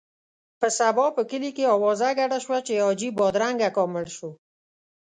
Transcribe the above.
په سبا په کلي کې اوازه ګډه شوه چې حاجي بادرنګ اکا مړ شو.